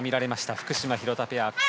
福島廣田ペア。